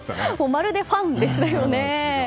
まるでファンでしたよね。